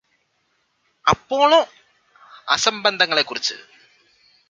Apollo അസംബന്ധംങ്ങളെക്കുറിച്ച്